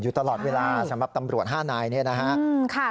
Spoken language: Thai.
ตลอดเวลาสำหรับตำรวจ๕นายเนี่ยนะฮะ